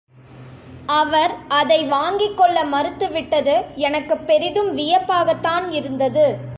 அவர் அதை வாங்கிக் கொள்ள மறுத்து விட்டது எனக்குப் பெரிதும் வியப்பாகத்தான் இருந்தது.